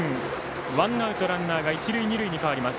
ワンアウトランナーが一塁二塁に変わります。